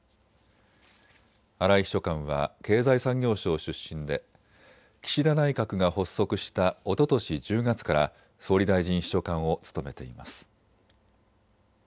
荒井秘書官は経済産業省出身で岸田内閣が発足したおととし１０月から総理大臣秘書官を務めています。